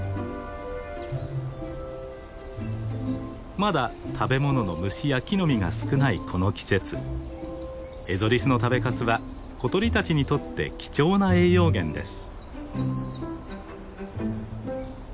まだ食べ物の虫や木の実が少ないこの季節エゾリスの食べかすは小鳥たちにとって貴重な栄養源です。